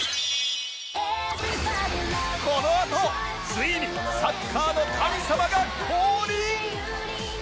このあとついにサッカーの神様が降臨！